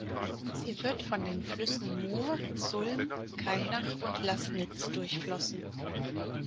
Sie wird von den Flüssen Mur, Sulm, Kainach und Laßnitz durchflossen.